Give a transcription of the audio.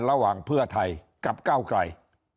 ระหว่างเพื่อไทยกับก้าวไกล